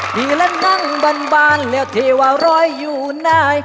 พี่รังนั่งบันบ่านแล้วที่ว่รอยอยู่นาย